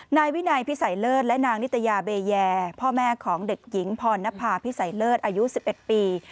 นายวินัยพิสัยเลิศและนางนิตยาเบแยพ่อแม่ของเด็กหญิงพรณภาพิสัยเลิศอายุ๑๑ปี